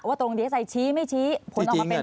ตรงดีเอสไอชี้ไม่ชี้ผลออกมาเป็น